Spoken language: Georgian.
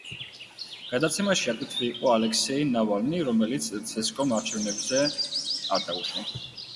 გადაცემაში აგრეთვე იყო ალექსეი ნავალნი, რომელიც ცესკომ არჩევნებზე არ დაუშვა.